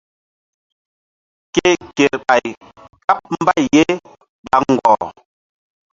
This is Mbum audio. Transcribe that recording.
Ke kerɓay káɓ mbay ye ɓa ŋgɔh.